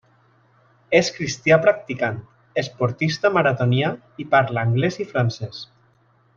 És cristià practicant, esportista maratonià i parla anglès i francès.